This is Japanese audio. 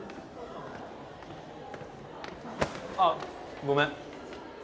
あっごめん。